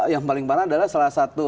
yang paling parah adalah salah satu